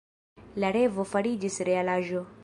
La revo fariĝis realaĵo.